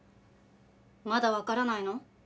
まだわからないの？